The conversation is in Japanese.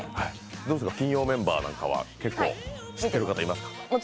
どうですか、金曜メンバーなんかは結構知っている方はいますか？